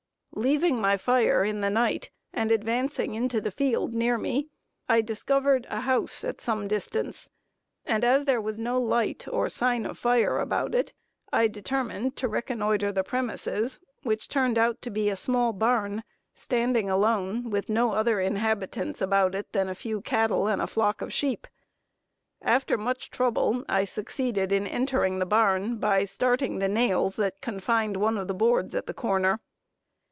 Leaving my fire in the night, and advancing into the field near me, I discovered a house at some distance, and as there was no light, or sign of fire about it, I determined to reconnoitre the premises, which turned out to be a small barn, standing alone, with no other inhabitants about it than a few cattle and a flock of sheep. After much trouble, I succeeded in entering the barn by starting the nails that confined one of the boards at the corner.